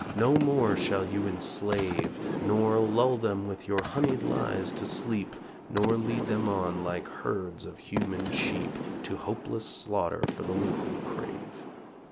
No more shall you enslave Nor lull them with your honied lies to sleep, Nor lead them on like herds of human sheep, To hopeless slaughter for the loot you crave.